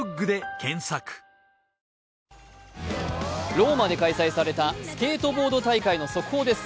ローマで開催されたスケートボード大会の速報です。